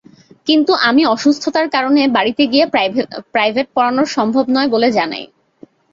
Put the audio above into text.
কিন্তু আমি অসুস্থতার কারণে বাড়িতে গিয়ে প্রাইভেট পড়ানোর সম্ভব নয় বলে জানাই।